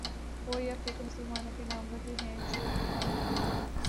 ہو یا افریقہ مسلمانوں کے نام وہی ہیں جو مقامی ہیں۔